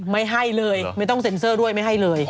ไม่ให้เลยไม่ต้องเซ็นเซอร์ด้วยไม่ให้เลย